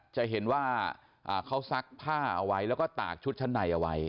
จะเห็นว่าเขาซักผ้าเอาไว้แล้วก็ตากชุดชั้นในเอาไว้